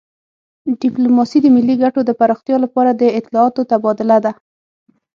ډیپلوماسي د ملي ګټو د پراختیا لپاره د اطلاعاتو تبادله ده